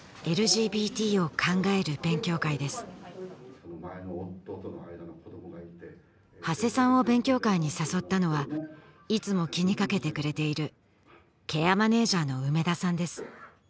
前の夫との間の子どもがいて長谷さんを勉強会に誘ったのはいつも気にかけてくれているケアマネージャーの梅田さんです